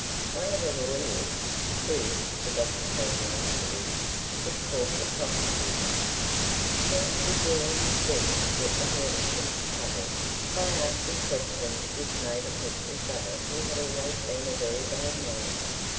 One of the lawyers (who, the Doctor told me afterwards, was called the Prosecutor) seemed to be doing his best to get the Hermit into trouble by asking questions which made it look as though he had always been a very bad man.